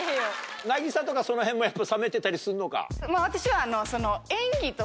渚とかそのへんもやっぱ冷めてたりするのか？